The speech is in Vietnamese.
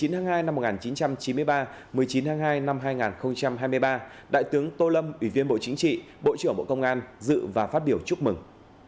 một mươi tháng hai năm một nghìn chín trăm chín mươi ba một mươi chín tháng hai năm hai nghìn hai mươi ba đại tướng tô lâm ủy viên bộ chính trị bộ trưởng bộ công an dự và phát biểu chúc mừng